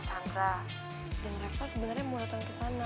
dan reva sebenarnya mau datang kesana